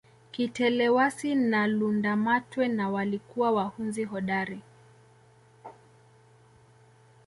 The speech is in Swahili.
Kitelewasi na Lundamatwe na walikuwa wahunzi hodari